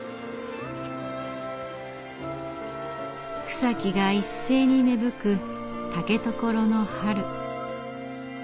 草木が一斉に芽吹く竹所の春。